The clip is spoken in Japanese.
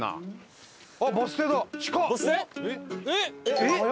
えっ！